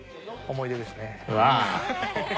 思い出ですね。